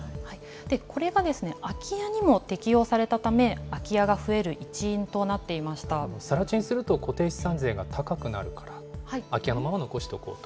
これが空き家にも適用されたため、空き家が増える一因となっていまさら地にすると、固定資産税が高くなるから、空き家のまま残しておこうと。